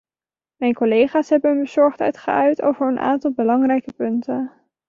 Mijn collega's hebben hun bezorgdheid geuit over een aantal belangrijke punten.